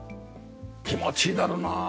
気持ちいいだろうなあ。